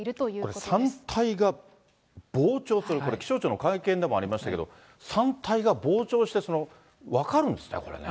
これ、山体が膨張という、これ気象庁の会見でもありましたけど、山体が膨張して、分かるんですね、これね。